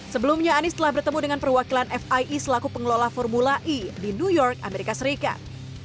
sebelumnya anies telah bertemu dengan perwakilan fie selaku pengelola formula e di new york amerika serikat